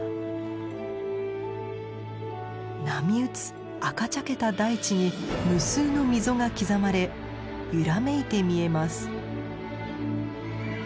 波打つ赤茶けた大地に無数の溝が刻まれ揺らめいて見えます。